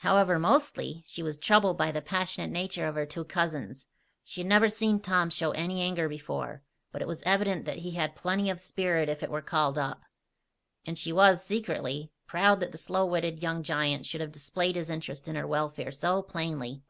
However, mostly, she was troubled by the passionate nature of her two cousins. She had never seen Tom show any anger before; but it was evident that he had plenty of spirit if it were called up. And she was, secretly, proud that the slow witted young giant should have displayed his interest in her welfare so plainly.